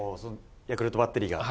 ヤクルトバッテリーが？